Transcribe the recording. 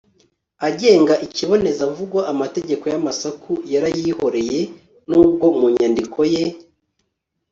agenga ikibonezamvugo. amategeko y'amasaku yarayihoreye n'ubwo mu nyandiko ye